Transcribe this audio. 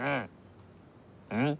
うん？